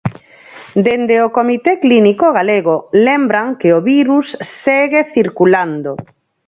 Dende o comité clínico galego lembran que o virus segue circulando.